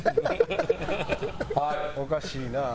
「おかしいなあ」。